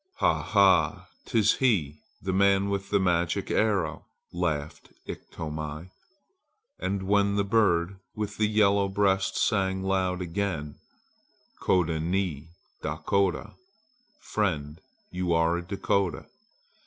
"Ha! ha! 'tis he! the man with the magic arrow!" laughed Iktomi. And when the bird with the yellow breast sang loud again "Koda Ni Dakota! Friend, you're a Dakota!"